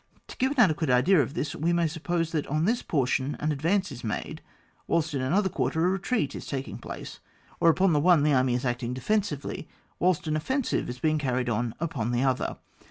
To give an adequate idea of this, we may suppose that on this portion an advance is made, whilst in another quarter ^ retreat is taking place, or that upon the one an army is acting defensively, whilst an offensive is being carried on upon the other.